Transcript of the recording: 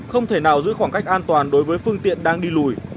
không thể nào giữ khoảng cách an toàn đối với phương tiện đang đi lùi